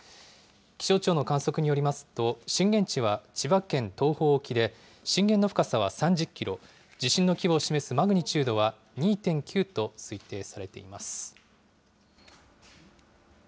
気象庁の観測によりますと、震源地は千葉県東方沖で震源の深さは３０キロ、地震の規模を示すマグニチュードは２．９と推定されています。